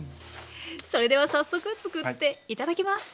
それでは早速作って頂きます。